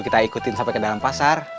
kita ikutin sampai ke dalam pasar